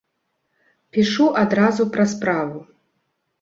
Пішу адразу пра справу.